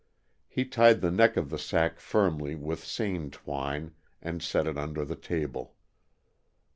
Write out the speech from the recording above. He tied the neck of the sack firmly with seine twine and set it under the table.